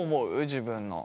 自分の。